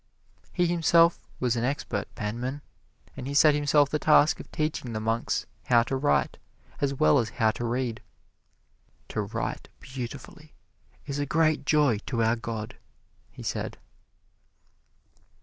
He himself was an expert penman, and he set himself the task of teaching the monks how to write as well as how to read. "To write beautifully is a great joy to our God," he said.